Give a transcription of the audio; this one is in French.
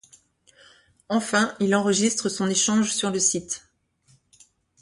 Enfin, il enregistre son échange sur le site.